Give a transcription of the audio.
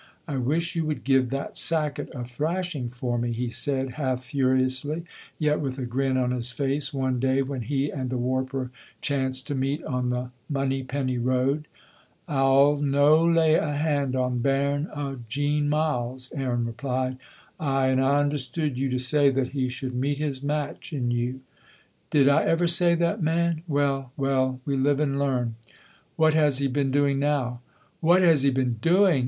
"I wish you would give that sacket a thrashing for me," he said, half furiously, yet with a grin on his face, one day when he and the warper chanced to meet on the Monypenny road. "I'll no lay a hand on bairn o' Jean Myles," Aaron replied. "Ay, and I understood you to say that he should meet his match in you." "Did I ever say that, man? Well, well, we live and learn." "What has he been doing now?" "What has he been doing!"